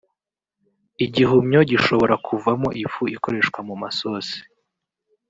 Igihumyo gishobora kuvamo ifu ikoreshwa mu masosi